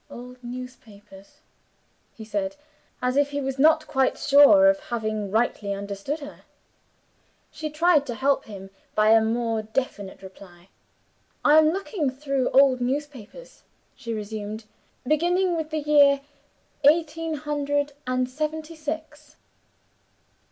"Old newspapers?" he said as if he was not quite sure of having rightly understood her. She tried to help him by a more definite reply. "I am looking through old newspapers," she resumed, "beginning with the year eighteen hundred and seventy six."